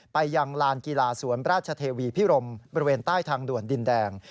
ไปยังลานกีฬาสวนราชเทวีพิรมบริเวณใต้ทางด่วนดินแดง